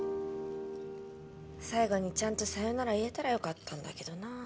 最後にちゃんとさよなら言えたらよかったんだけどな。